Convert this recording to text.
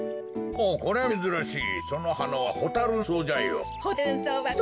ほうこりゃめずらしいそのはなはホタ・ルン草じゃよ。